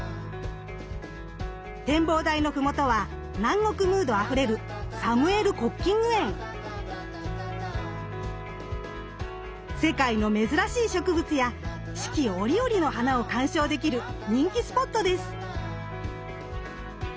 展望台のふもとは南国ムードあふれる世界の珍しい植物や四季折々の花を観賞できる人気スポットです。